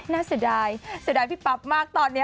น่าเสดายเสดายพี่ป๊าบมากตอนนี้